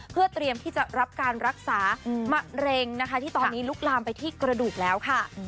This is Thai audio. เพื่อเตรียมที่จะรับการรักษามะเร็งนะคะที่ตอนนี้ลุกลามไปที่กระดูกแล้วค่ะ